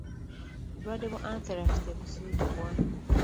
Obulwadde bwa Anthrax tebusiigibwa.